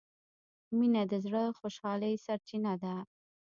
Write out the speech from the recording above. مینه د زړه د خوشحالۍ سرچینه ده.